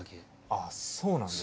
あっそうなんですね。